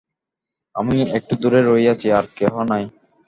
আমি একটু দূরে রহিয়াছি, আর কেহ নাই।